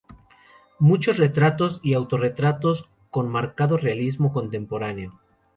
Muchos retratos y autorretratos con marcado realismo contemporáneo.